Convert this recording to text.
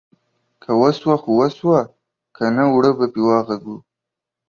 که وسوه خو وسوه ، که نه اوړه به په واغږو.